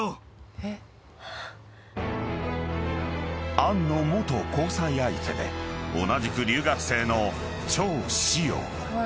・・・［杏の元交際相手で同じく留学生の張子葉］